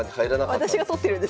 私が撮ってるんです